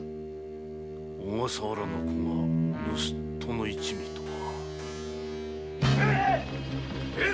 小笠原の子が盗っ人の一味とは。